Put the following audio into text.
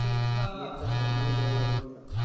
মিথ্যা সামান্য হইলেও উহা মিথ্যা।